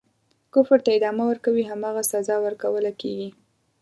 کفر ته ادامه ورکوي هماغه سزا ورکوله کیږي.